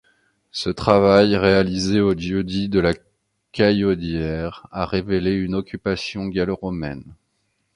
Ce travail, réalisé au lieu-dit de la Caillaudière, a révélé une occupation gallo-romaine.